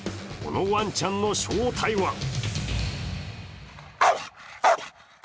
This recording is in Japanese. このワンちゃんの正体は